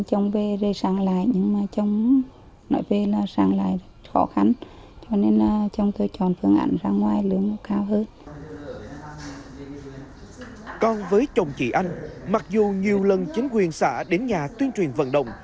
còn với chồng chị anh mặc dù nhiều lần chính quyền xã đến nhà tuyên truyền vận động